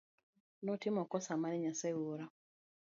Notimo kosa mane Nyasaye Wuora.